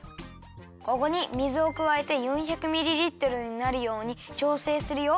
ここに水をくわえて４００ミリリットルになるようにちょうせいするよ。